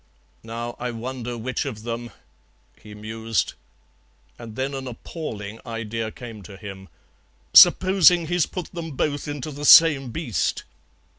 "Now I wonder which of them " he mused, and then an appalling idea came to him. "Supposing he's put them both into the same beast!"